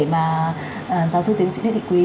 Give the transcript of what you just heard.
mà giáo sư tiến sĩ thế thị quý